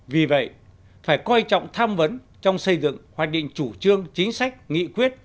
vì vậy phải coi trọng tham vấn trong xây dựng hoạch định chủ trương chính sách nghị quyết